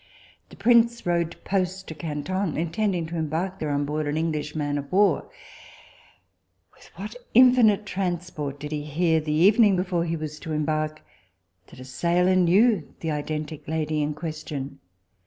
The prince rode post to Canton, intending to embark there on board an English man of war. With what infinite transport did he hear the evening before he was to embark, that a sailor knew the identic lady in question.